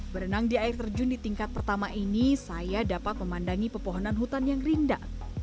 berenang di air terjun di tingkat pertama ini saya dapat memandangi pepohonan hutan yang rindang